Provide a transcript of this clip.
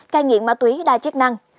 ca nghiện ma túy đa chức năng